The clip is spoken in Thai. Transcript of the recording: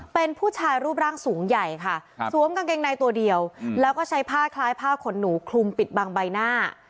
เป็นผู้ชายรูปร่างสูงใหญ่ค่ะสวมกางเกงในตัวเดียวแล้วก็ใช้ผ้าคล้ายผ้าขนหนูคลุมปิดบังใบหน้า